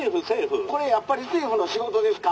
「これやっぱり政府の仕事ですか？」。